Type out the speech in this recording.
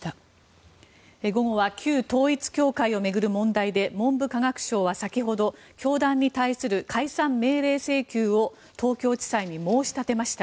午後は旧統一教会を巡る問題で文部科学省は先ほど教団に対する解散命令請求を東京地裁に申し立てました。